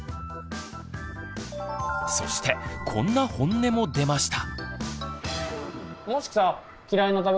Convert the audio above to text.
そしてこんなホンネも出ました。